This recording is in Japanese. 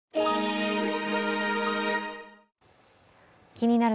「気になる！